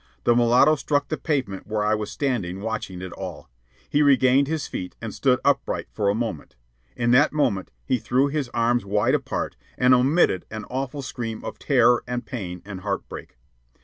The mulatto struck the pavement where I was standing watching it all. He regained his feet and stood upright for a moment. In that moment he threw his arms wide apart and omitted an awful scream of terror and pain and heartbreak.